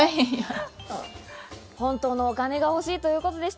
本当のお金が欲しいということでした。